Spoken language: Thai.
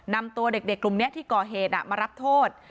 นำตัวเด็กกลุ่มนี้ที่ก่อเหตุมารับโทษ